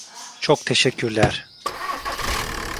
Çok teşekkürler!